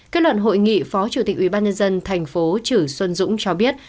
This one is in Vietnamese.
kết luận hội nghị phó chủ tịch ubnd tp trữ xuân dũng cho biết